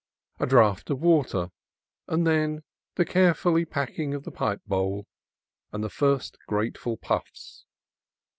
A draught of water, and then the careful packing of the pipe bowl, and the first grateful puffs.